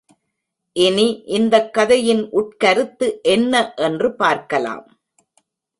இனி இந்தக் கதையின் உட்கருத்து என்ன என்று பார்க்கலாம்.